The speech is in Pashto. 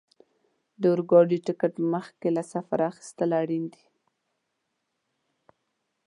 د اورګاډي ټکټ مخکې له سفره اخیستل اړین دي.